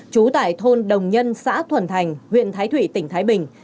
trú tại thôn đồng nhân xã thuần thành huyện thái thụy tỉnh thái bình